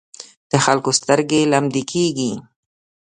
د خلکو سترګې لمدې کېږي.